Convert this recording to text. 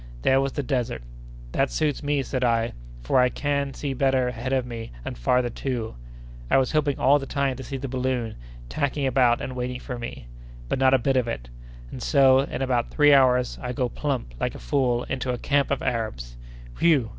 There was the desert. 'That suits me!' said I, 'for I can see better ahead of me and farther too.' I was hoping all the time to see the balloon tacking about and waiting for me. But not a bit of it; and so, in about three hours, I go plump, like a fool, into a camp of Arabs! Whew!